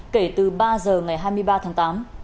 kể từ ba giờ ngày hai mươi ba tháng tám